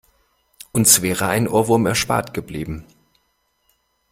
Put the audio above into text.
Uns wäre ein Ohrwurm erspart geblieben.